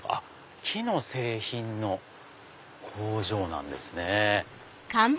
木の製品の工場なんですね。